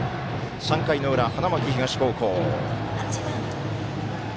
３回の裏、花巻東高校。